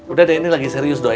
udah deh ini lagi serius dong